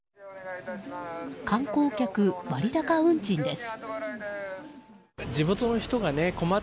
観光客割高運賃です。